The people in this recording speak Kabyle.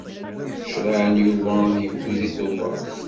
Creɛ n Yuba ad yebdu deg Tubeṛ.